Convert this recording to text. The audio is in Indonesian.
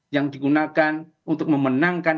yang digunakan untuk memenangkan